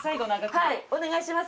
はいお願いします。